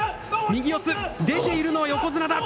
右四つ、出ているのは横綱だ。